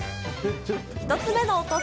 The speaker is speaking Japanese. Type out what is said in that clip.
１つ目の音